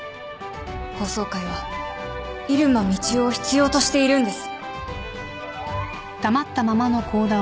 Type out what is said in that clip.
法曹界は入間みちおを必要としているんです。